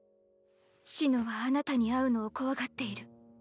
紫乃はあなたに会うのを怖がっている。